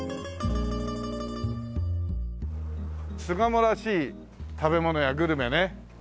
巣鴨らしい食べ物やグルメね。